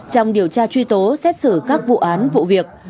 trong điều tra truy tố xét xử các vụ án vụ việc